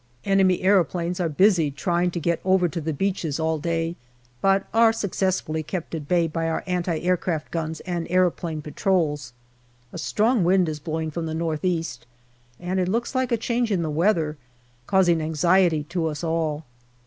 Enemy aeroplanes are busy trying to get over to the beaches all day, but are successfully kept at bay by our anti aircraft guns and aeroplane patrols. A strong wind is blowing from the north east, and it looks like a change in the weather, causing anxiety to us all.